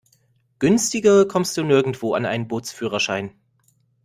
Günstiger kommst du nirgendwo an einen Bootsführerschein.